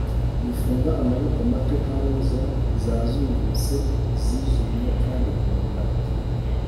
Gufunga amaboko mato nka roza zazungurutse zijimye kandi nkunda